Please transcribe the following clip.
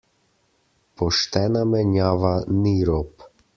Poštena menjava ni rop.